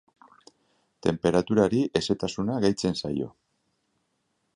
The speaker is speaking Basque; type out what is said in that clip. Tenperaturari hezetasuna gehitzen zaio.